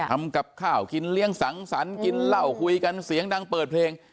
ทำกับข้าวกินเลี้ยงสังสรรค์กินเหล้าคุยกันเสียงดังเปิดเพลง